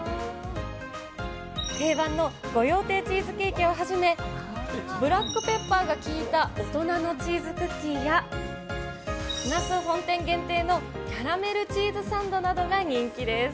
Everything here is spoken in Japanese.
定番の御用邸チーズケーキをはじめ、ブラックペッパーが効いた大人のチーズクッキーや、那須本店限定のキャラメルチーズサンドなどが人気です。